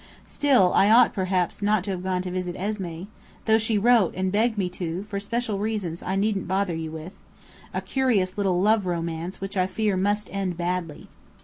Still, I ought perhaps not to have gone to visit Esmé, though she wrote and begged me to, for special reasons I needn't bother you with: a curious little love romance which I fear must end badly.